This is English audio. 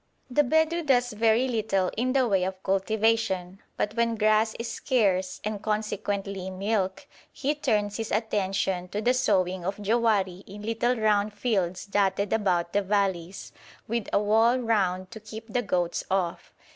The Bedou does very little in the way of cultivation, but when grass is scarce, and consequently milk, he turns his attention to the sowing of jowari in little round fields dotted about the valleys, with a wall round to keep the goats off.